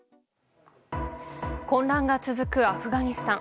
混乱が続くアフガニスタン。